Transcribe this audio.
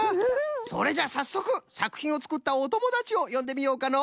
それじゃあさっそくさくひんをつくったおともだちをよんでみようかの！